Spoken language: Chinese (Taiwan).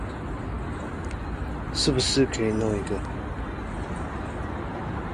是不是可以弄一個